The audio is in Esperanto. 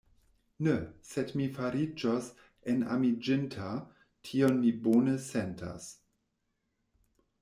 Ne, sed mi fariĝos enamiĝinta; tion mi bone sentas.